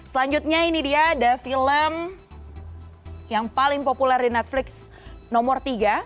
selanjutnya ini dia ada film yang paling populer di netflix nomor tiga